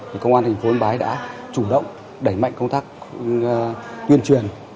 thì công an thành phố yên bái đã chủ động đẩy mạnh công tác tuyên truyền